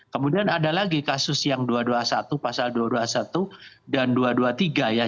kemudian ada lagi kasus yang dua ratus dua puluh satu pasal dua ratus dua puluh satu dan dua ratus dua puluh tiga ya